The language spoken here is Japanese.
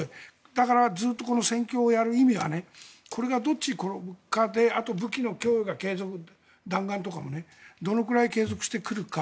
だから、ずっとこの戦況をやる意味はこれがどっちに転ぶかであと、武器の供与が継続弾丸とかもね。どのくらい継続して来るか。